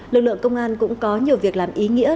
lực lượng công an cũng có nhiều việc làm ý nghĩa